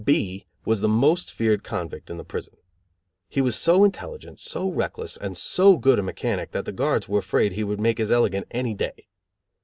B was the most feared convict in the prison. He was so intelligent, so reckless and so good a mechanic that the guards were afraid he would make his elegant any day.